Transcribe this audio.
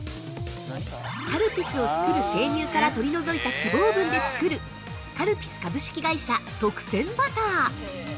◆カルピスを作る生乳から取り除いた脂肪分で作る、カルピス株式会社特撰バター。